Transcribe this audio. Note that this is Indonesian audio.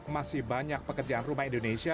masih banyak pekerjaan rumah indonesia